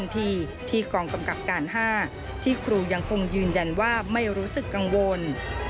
ที่ที่กองกำกับการ๕ที่ครูยังคงยืนยันว่าไม่รู้สึกกังวล